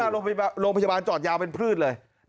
โรงพยาบาลจอดยาวเป็นพืชเลย